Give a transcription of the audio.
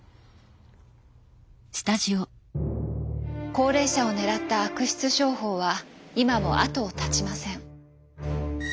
高齢者を狙った悪質商法は今もあとを絶ちません。